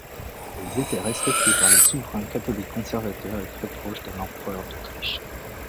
Elle étaient respectée par les souverains catholiques conservateurs et très proche de l'empereur d'Autriche.